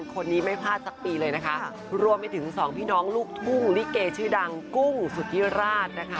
คนนี้ไม่พลาดสักปีเลยนะคะรวมไปถึงสองพี่น้องลูกทุ่งลิเกชื่อดังกุ้งสุธิราชนะคะ